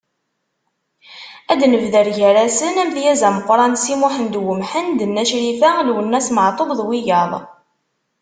Ad d-nebder gar-asen: Amedyaz ameqqran Si Muḥend Umḥend, Nna Crifa, Lwennas Meɛtub, d wiyaḍ.